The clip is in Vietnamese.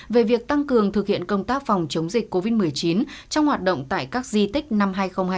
về việc tăng cường thực hiện công tác phòng chống dịch covid một mươi chín trong hoạt động tại các di tích năm hai nghìn hai mươi